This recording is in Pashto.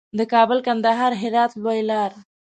د کابل، کندهار، هرات لویه لار.